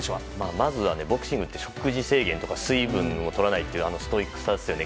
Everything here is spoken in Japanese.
まずは、ボクシングって食事制限とか水分をとらないというあのストイックさですよね。